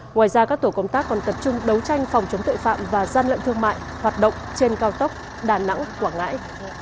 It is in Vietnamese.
ngoài ra các tổ công tác còn tập trung đấu tranh phòng chống tội phạm và gian lận thương mại hoạt động trên cao tốc đà nẵng quảng ngãi